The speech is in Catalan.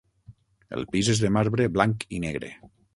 El pis és de marbre blanc i negre.